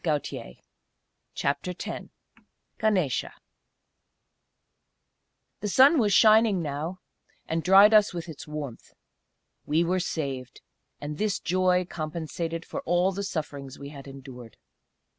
CHAPTER X GANESA The sun was shining now, and dried us with its warmth. We were saved. And this joy compensated for all the sufferings we had endured.